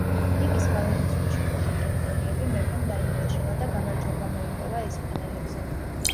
ლიგის გავლენის ქვეშ მყოფი ტერიტორიები მეფემ დაიმორჩილა და გამარჯვება მოიპოვა ესპანელებზე.